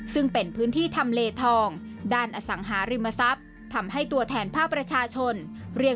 ซึ่งเป็นพื้นที่ทำเลทองด้านอสังหาริมทรัพย์